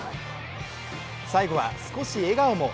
最後は少し笑顔も。